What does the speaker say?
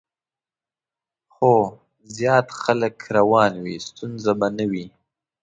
خو زیات خلک روان وي، ستونزه به نه وي.